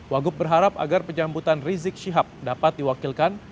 wagub berharap agar penyambutan rizik syihab dapat diwakilkan